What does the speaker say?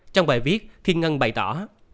trong bài viết thiên ngân bày tỏ